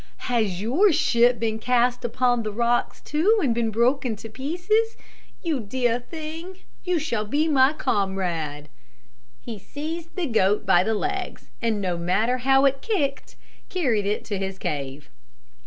"Has your ship been cast upon the rocks too, and been broken to pieces? You dear thing, you shall be my comrade." He seized the goat by the legs, and no matter how it kicked, carried it to his cave.